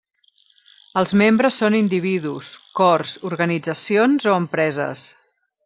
Els membres són individus, cors, organitzacions o empreses.